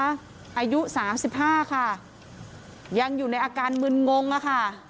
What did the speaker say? อายุสามสิบห้าค่ะยังอยู่ในอาการมึนงงอะค่ะ